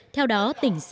theo đó tỉnh sẽ đơn giản